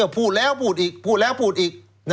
พูดแล้วพูดอีกพูดแล้วพูดอีก